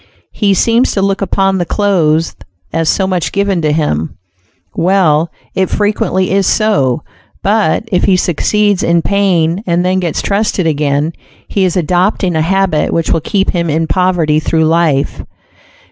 He seems to look upon the clothes as so much given to him; well, it frequently is so, but, if he succeeds in paying and then gets trusted again, he is adopting a habit which will keep him in poverty through life.